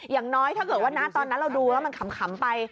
อย่างน้อยถ้าเกิดว่าหน้าตอนนั้นเราดูแล้วมันขำไป